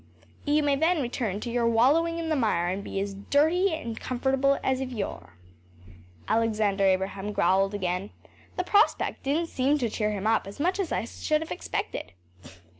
You may then return to your wallowing in the mire and be as dirty and comfortable as of yore.‚ÄĚ Alexander Abraham growled again. The prospect didn’t seem to cheer him up as much as I should have expected.